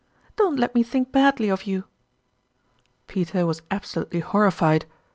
Don't let me think badly of you !" Peter was absolutely horrified !